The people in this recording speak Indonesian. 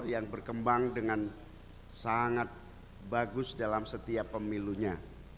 yang berkembang dengan sangat bagus dalam setiap pemilunya